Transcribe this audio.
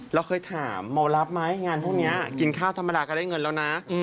เราเคยถามโมรับไหมงานพวกนี้กินข้าวธรรมดาก็ได้เงินแล้วนะ